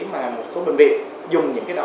mà một số bệnh viện dùng những cái đó